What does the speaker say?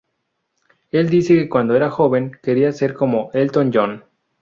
Él dice que cuando era joven quería ser como Elton John.